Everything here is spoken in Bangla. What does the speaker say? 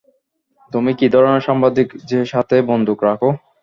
তুমি কী ধরনের সাংবাদিক যে সাথে বন্দুক রাখো?